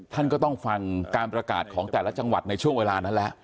ท่านก็ต้องฟังการประกาศของแต่ละจังหวัดในช่วงเวลานั้นแล้ว